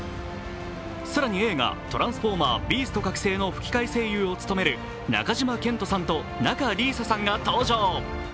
更に映画「トランスフォーマー／ビースト覚醒」の吹き替え声優を務める中島健人さんと仲里依紗さんが登場。